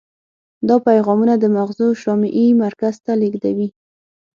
دا پیغامونه د مغزو شامعي مرکز ته لیږدوي.